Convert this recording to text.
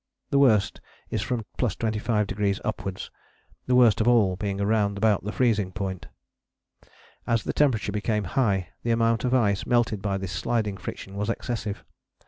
The worst is from +25° upwards, the worst of all being round about freezing point. As the temperature became high the amount of ice melted by this sliding friction was excessive.